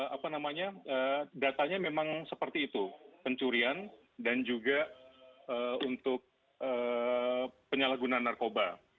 apa namanya datanya memang seperti itu pencurian dan juga untuk penyalahgunaan narkoba